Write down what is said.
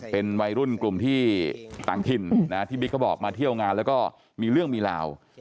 เป็นวัยรุ่นกลุ่มที่ต่างถิ่นที่บิ๊กเขาบอกมาเที่ยวงานแล้วก็มีเรื่องมีราว